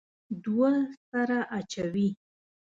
دوه سره اچوي.